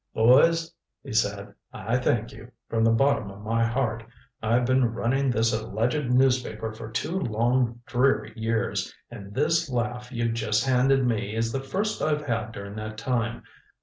"Boys," he said, "I thank you, from the bottom of my heart. I've been running this alleged newspaper for two long dreary years, and this laugh you've just handed me is the first I've had during that time.